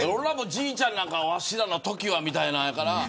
じいちゃんなんかわしらのときは、みたいな。